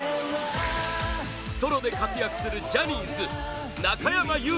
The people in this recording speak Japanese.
更に、ソロで活躍するジャニーズ、中山優